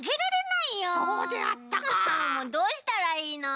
もうどうしたらいいの？